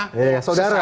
ya ya ya saudara